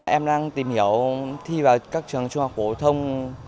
em đang tìm hiểu thi vào các trường trung học phổ thông